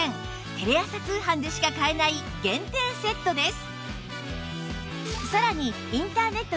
テレ朝通販でしか買えない限定セットです